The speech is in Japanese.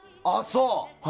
あっ、そう？